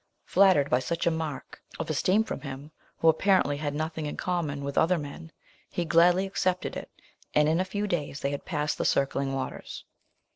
Flattered by such a mark of esteem from him, who, apparently, had nothing in common with other men, he gladly accepted it, and in a few days they had passed the circling waters.